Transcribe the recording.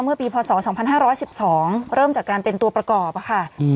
เมื่อปีพศ๒๕๑๒เริ่มจากการเป็นตัวประกอบค่ะ